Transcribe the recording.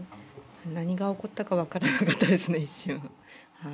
何が起こったか分からなかったですね、一瞬。